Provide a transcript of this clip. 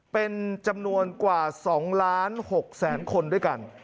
เป็นจำนวนกว่า๒๖๐๐๐๐๐คนด้วยกัน